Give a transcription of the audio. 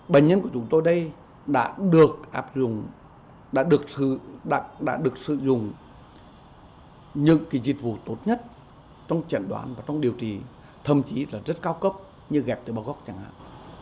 bệnh nhân của chúng tôi đây đã được áp dụng đã được sử dụng những dịch vụ tốt nhất trong chẩn đoán và trong điều trị thậm chí là rất cao cấp như ghép tế bào gốc chẳng hạn